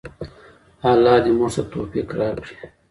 الله دې موږ ته توفيق راکړي.